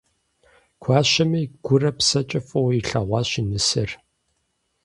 Гуащэми - гурэ псэкӀэ фӀыуэ илъэгъуащ и нысэр.